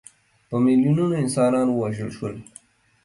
په میلیونونو انسانان ووژل شول.